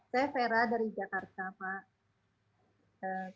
saya vera dari jakarta pak